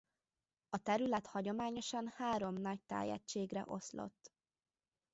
A terület hagyományosan három nagy tájegységre oszlott.